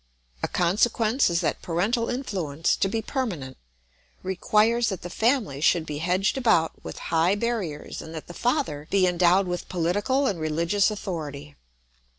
A consequence is that parental influence, to be permanent, requires that the family should be hedged about with high barriers and that the father he endowed with political and religious authority.